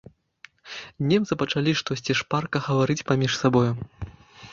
Немцы пачалі штосьці шпарка гаварыць паміж сабою.